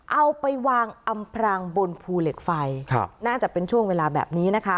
เอาไปวางอำพรางบนภูเหล็กไฟครับน่าจะเป็นช่วงเวลาแบบนี้นะคะ